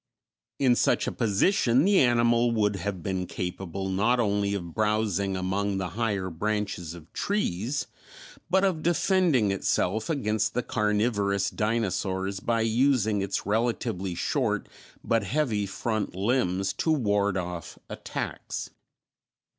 In such a position the animal would have been capable not only of browsing among the higher branches of trees, but of defending itself against the carnivorous dinosaurs by using its relatively short but heavy front limbs to ward off attacks.